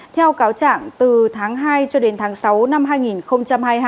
theo cáo trạng từ tháng hai cho đến tháng sáu năm hai nghìn hai mươi hai